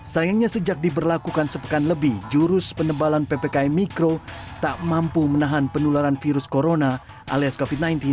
sayangnya sejak diberlakukan sepekan lebih jurus penebalan ppkm mikro tak mampu menahan penularan virus corona alias covid sembilan belas